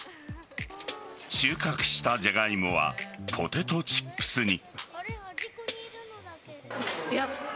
収穫したジャガイモはポテトチップスに。